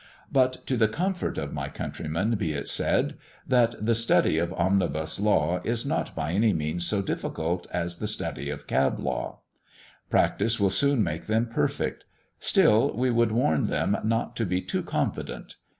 But to the comfort of my countrymen be it said, that the study of omnibus law is not by any means so difficult as the study of cab law. Practice will soon make them perfect; still we would warn them not to be too confident.